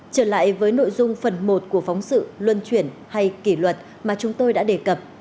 trở lại với nội dung phần một của phóng sự luân chuyển hay kỷ luật mà chúng tôi đã đề cập